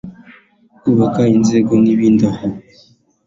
kubaka inzego n'ibindi aho